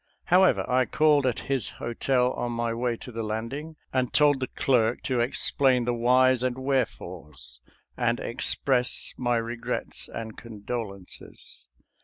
However, I called at his hotel on my way to the landing, and told the clerk to explain the whys and wherefores, and express my regrets and condolences.